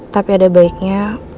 tapi ada baiknya